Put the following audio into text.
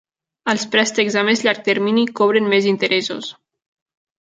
Els préstecs a més llarg termini cobren més interessos.